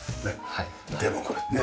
でもこれね